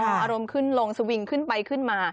อารมณ์ขึ้นลงสวิงขึ้นไปขึ้นมา